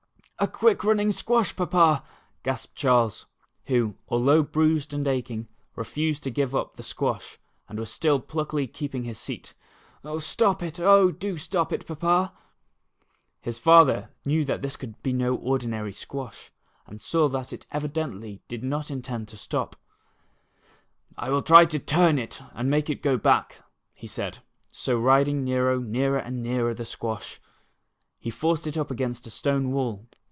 "A quick running squash. Papa," gasped Charles, who. although bruised and aching, re fused to give up the squash, and was still pluckily keeping his seat "Stop it, oh, do stop it Papa." His father knew that this could be no ordinaiy* squash, and saw that it e\"idently did not intend to stop. *' I ^^•ill tr\ to turn it and make it gfo back," he said, so riding Xero nearer and nearer the squash, he forced it up against a stone wall.